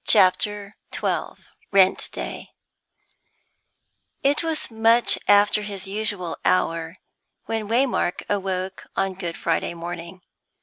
CHAPTER XII RENT DAY It was much after his usual hour when Waymark awoke on Good Friday morning.